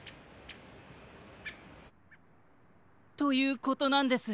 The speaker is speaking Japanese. ということなんです。